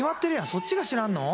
そっちが知らんの？